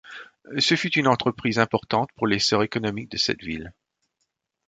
Ce fut une entreprise importante pour l'essor économique de cette ville.